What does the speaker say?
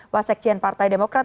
wasekjen partai demokrat